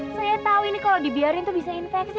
saya tahu ini kalau dibiarin tuh bisa infeksi